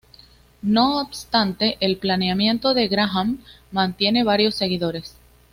No obstante, el planteamiento de Graham mantiene varios seguidores.